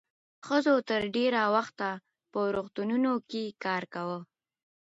ښځو تر ډېره وخته په روغتونونو کې کار کاوه.